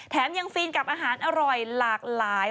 แถมยังฟินกับอาหารอร่อยหลากหลาย